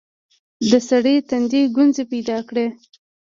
د سړي تندي ګونځې پيدا کړې.